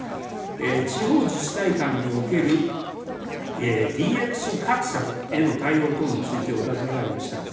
地方自治体間におけるＤＸ格差への対応等についてお尋ねがありました。